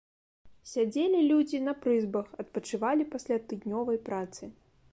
Сядзелі людзі на прызбах, адпачывалі пасля тыднёвай працы.